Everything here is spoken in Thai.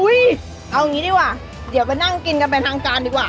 อุ้ยเอางี้ดีกว่าเดี๋ยวนั่งกินกันไปทางการดีกว่า